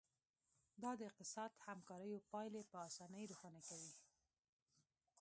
دا د اقتصادي همکاریو پایلې په اسانۍ روښانه کوي